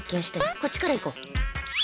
こっちから行こう。